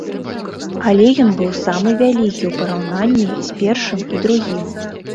Але ён быў самы вялікі ў параўнанні з першым і другім.